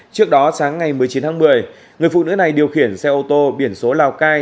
trước đó sáng ngày một mươi chín tháng một mươi người phụ nữ này điều khiển xe ô tô biển số lào cai